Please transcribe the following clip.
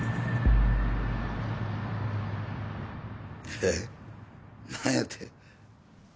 えッ何やて？